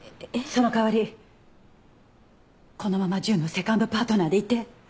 その代わりこのまま純のセカンドパートナーでいて。